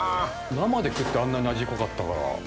生で食ってあんなに味濃かったから。